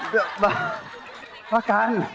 เจ็บตายอดว่าปูนี่ปี่